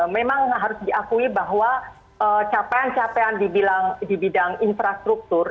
memang harus diakui bahwa capaian capaian dibilang di bidang infrastruktur